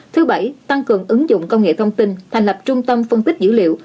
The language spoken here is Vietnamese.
thứ bảy tăng cường ứng dụng công nghệ thông tin thành lập trung tâm phân tích dữ liệu